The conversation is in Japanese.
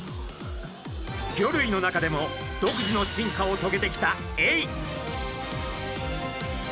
魚類の中でも独自の進化をとげてきたエイ。